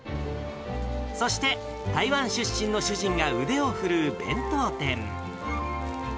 そして、台湾出身の主人が腕を振るう弁当店。